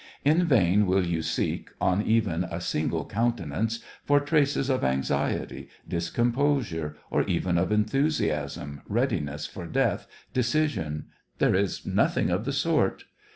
In vain will you seek, on even a single counte nance, for traces of anxiety, discomposure, or even of enthusiasm, readiness for death, decision, — there is nothing of the sort.